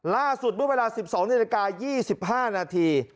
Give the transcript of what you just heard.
ล่าสุดเมื่อเวลา๑๒นาฬิกา๒๕นาที